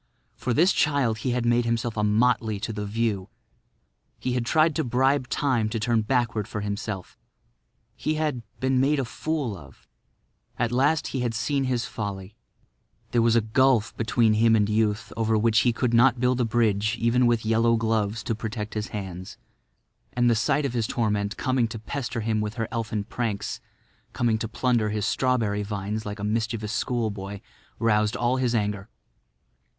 For this child he had made himself a motley to the view. He had tried to bribe Time to turn backward for himself; he had—been made a fool of. At last he had seen his folly. There was a gulf between him and youth over which he could not build a bridge even with yellow gloves to protect his hands. And the sight of his torment coming to pester him with her elfin pranks—coming to plunder his strawberry vines like a mischievous schoolboy—roused all his anger.